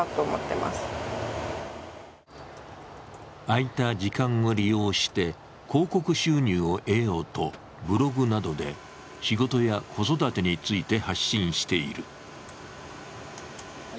空いた時間を利用して広告収入を得ようとブログなどで仕事や子育てについて発信している。